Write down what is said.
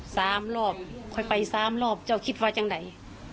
สามรอบค่อยไปสามรอบเจ้าคิดว่าจังไหน